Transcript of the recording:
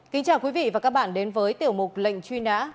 kính chào quý vị và các bạn đến với tiểu mục lệnh truy nã